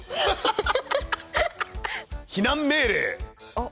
あっ！